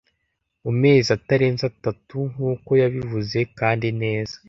Mu mezi atarenze atatu nkuko yabivuze kandi neza.